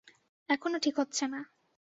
এখনো ঠিক হচ্ছে না।